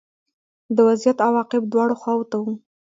د وضعیت عواقب دواړو خواوو ته وو